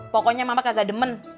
pokoknya mama kagak demen